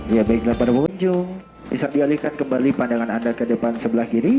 ya baiklah para pengunjung bisa dialihkan kembali pandangan anda ke depan sebelah kiri